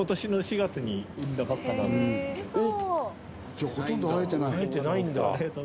じゃほとんど会えてない。